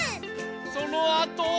そのあとは。